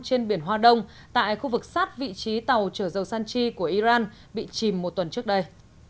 trên biển hoa đông tại khu vực sát vị trí tàu chở dầu sanchi của iran bị chìm một tuần trước đây